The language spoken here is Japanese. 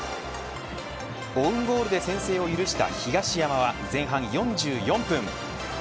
オウンゴールで先制を許した東山は前半４４分。